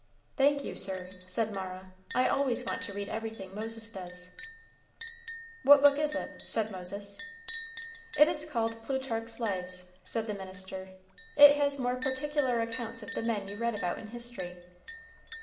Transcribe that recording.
"Thank you, sir," said Mara; "I always want to read everything Moses does." "What book is it?" said Moses. "It is called Plutarch's 'Lives,'" said the minister; "it has more particular accounts of the men you read about in history."